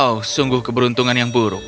oh sungguh keberuntungan yang buruk